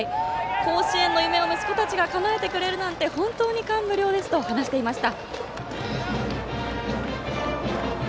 甲子園の夢を息子たちがかなえてくれるなんて感無量ですと話していました。